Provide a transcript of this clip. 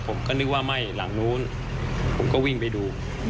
ผมก็นึกว่าไหม้หลังนู้นผมก็วิ่งไปดู